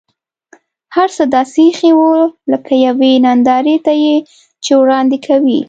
هر څه داسې اېښي و لکه یوې نندارې ته یې چې وړاندې کوي.